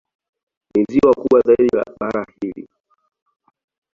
Ni ziwa kubwa zaidi la bara hili.